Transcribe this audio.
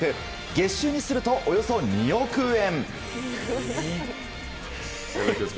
月収にするとおよそ２億円。